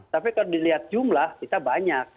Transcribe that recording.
tapi kalau dilihat jumlah kita banyak